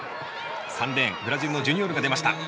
３レーンブラジルのジュニオールが出ました。